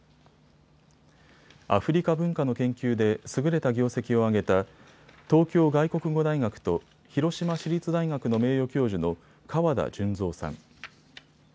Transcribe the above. アフリカ文化の研究で優れた業績を上げた東京外国語大学と広島市立大学の名誉教授の川田順造さん。